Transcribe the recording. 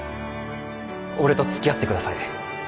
俺と付き合ってください